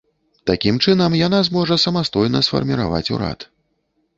Такім чынам, яна зможа самастойна сфармаваць урад.